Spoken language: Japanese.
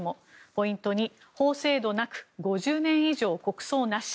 ポイント２、法制度なく５０年以上国葬なし。